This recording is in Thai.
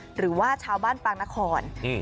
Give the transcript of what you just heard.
หรือว่าชาวบ้านปางนคร